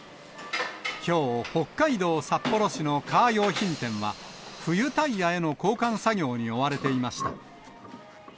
きょう、北海道札幌市のカー用品店は、冬タイヤへの交換作業に追われていました。